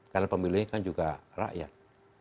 karena pemilih kan juga rakyat